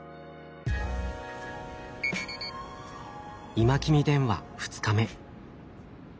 「今君電話」２日目。